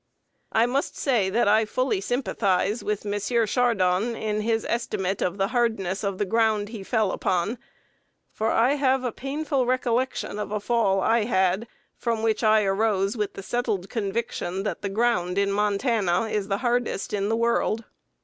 I must say that I fully sympathize with M. Chardon in his estimate of the hardness of the ground he fell upon, for I have a painful recollection of a fall I had from which I arose with the settled conviction that the ground in Montana is the hardest in the world!